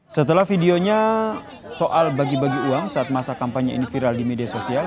setelah videonya soal bagi bagi uang saat masa kampanye ini viral di media sosial